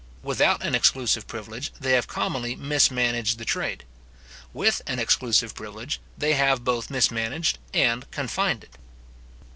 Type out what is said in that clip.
Without an exclusive privilege, they have commonly mismanaged the trade. With an exclusive privilege, they have both mismanaged and confined it.